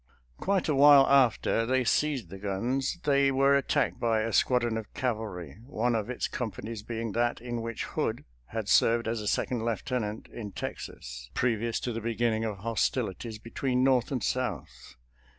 Quite a while after they seized the guns they were attacked by a squadron of cavalry, one of its companies being that in which Hood had served as a second lieutenant in Texas, previous to the beginning of hostilities between North and South.